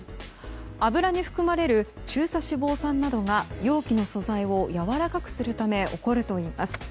油に含まれる中鎖脂肪酸などが容器の素材をやわらかくするため起こるといいます。